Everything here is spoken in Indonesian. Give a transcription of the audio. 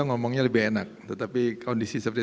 ngomongnya lebih enak tetapi kondisi seperti